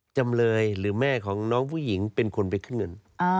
จำเลยหรือแม่ของน้องผู้หญิงเป็นคนไปขึ้นเงิน